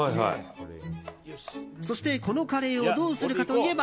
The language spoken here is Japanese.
そして、このカレーをどうするかといえば。